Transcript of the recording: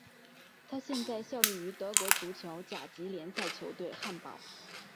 他现在效力于德国足球甲级联赛球队汉堡。